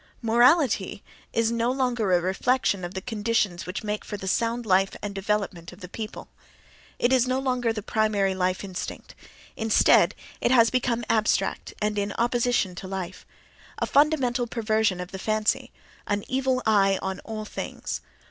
Morality is no longer a reflection of the conditions which make for the sound life and development of the people; it is no longer the primary life instinct; instead it has become abstract and in opposition to life—a fundamental perversion of the fancy, an "evil eye" on all things.